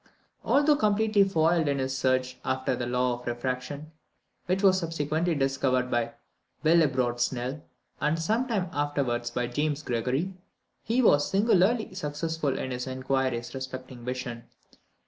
Although completely foiled in his search after the law of refraction, which was subsequently discovered by Willebrord Snell, and sometime afterwards by James Gregory, he was, singularly successful in his inquiries respecting vision.